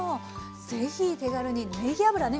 是非手軽にねぎ油ね